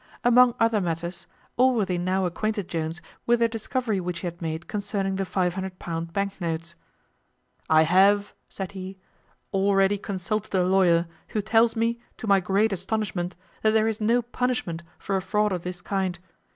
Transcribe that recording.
Among other matters, Allworthy now acquainted Jones with the discovery which he had made concerning the £500 bank notes. "I have," said he, "already consulted a lawyer, who tells me, to my great astonishment, that there is no punishment for a fraud of this kind.